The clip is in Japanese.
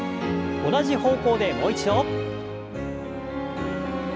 同じ方向でもう一度。